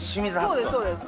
そうですそうです。